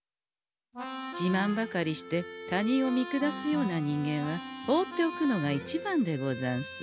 じまんばかりして他人を見下すような人間は放っておくのが一番でござんす。